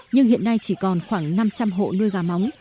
nhưng hiện nay chỉ còn khoảng năm trăm linh hộ nuôi gà móng